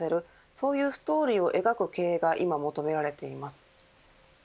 そういうストーリーを描く経営が今、求められています。